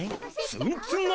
ツンツン頭！